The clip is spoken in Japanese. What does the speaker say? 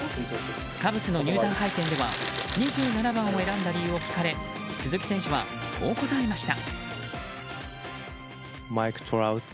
カブスの入団会見では２７番を選んだ理由を聞かれ鈴木選手は、こう答えました。